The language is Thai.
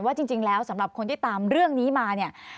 ว่าจริงแล้วสำหรับคนที่ตามเรื่องนี้มา